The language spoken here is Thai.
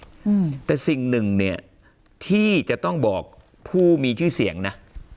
อืมแต่สิ่งหนึ่งเนี้ยที่จะต้องบอกผู้มีชื่อเสียงนะ